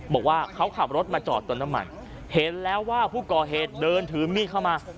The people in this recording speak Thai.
บอกว่าเขาขับรถมาจอดเติมน้ำมันเห็นแล้วว่าผู้ก่อเหตุเดินถือมีดเข้ามา